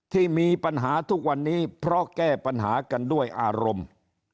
ที่มีปัญหาทุกวันนี้เพราะแก้ปัญหากันด้วยอารมณ์